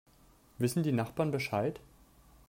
Wissen die Nachbarn Bescheid?